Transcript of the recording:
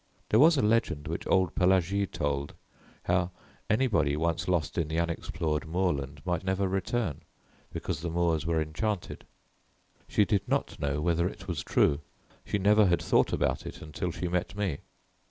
There was a legend which old Pelagie told, how anybody once lost in the unexplored moorland might never return, because the moors were enchanted. She did not know whether it was true, she never had thought about it until she met me.